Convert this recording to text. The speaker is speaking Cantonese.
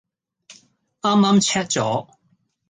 啱啱 check 咗